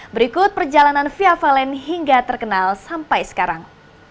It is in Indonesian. berikut perjalanan fia valen hingga terkenal sampai sekarang